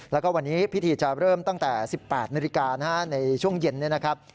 แล้วก็วันนี้พิธีจะเริ่มตั้งแต่๑๘นาฬิกาในช่วงเย็นเนี่ยนะครับ